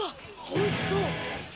おいしそう。